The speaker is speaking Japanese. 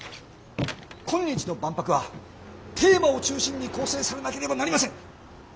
今日の万博はテーマを中心に構成されなければなりません！